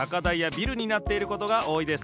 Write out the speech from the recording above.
ビルになっていることがおおいです。